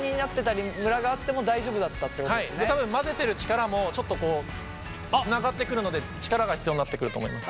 多分混ぜてる力もちょっとつながってくるので力が必要になってくると思います。